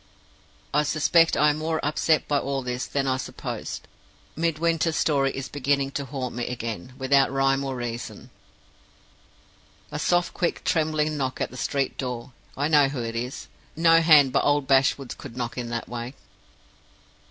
"I suspect I am more upset by all this than I supposed. Midwinter's story is beginning to haunt me again, without rhyme or reason. "A soft, quick, trembling knock at the street door! I know who it is. No hand but old Bashwood's could knock in that way."